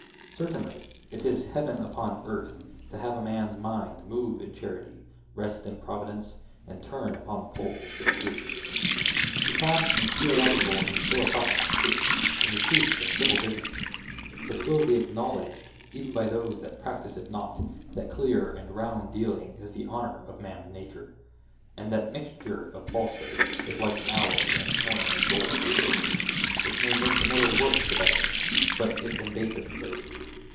Certainly, it is heaven upon earth, to have a man's mind move in charity, rest in providence, and turn upon the poles of truth. To pass from theological, and philosophical truth, to the truth of civil business; it will be acknowledged, even by those that practise it not, that clear, and round dealing, is the honor of man's nature; and that mixture of falsehoods, is like alloy in coin of gold and silver, which may make the metal work the better, but it embaseth it.